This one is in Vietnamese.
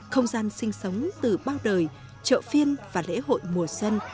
không gian sinh sống từ bao đời chợ phiên và lễ hội mùa xuân